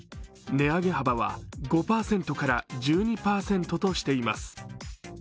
値上げ幅は５％から１２％としています。